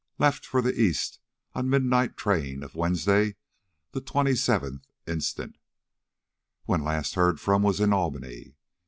Left for the East on midnight train of Wednesday the 27th inst. When last heard from was in Albany.